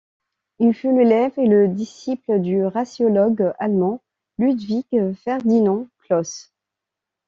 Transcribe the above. Il fut l'élève et le disciple du raciologue allemand Ludwig Ferdinand Clauss.